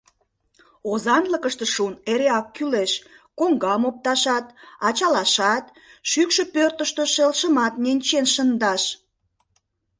Озанлыкыште шун эреак кӱлеш: коҥгам опташат, ачалашат, шӱкшӧ пӧртыштӧ шелшымат ненчен шындаш.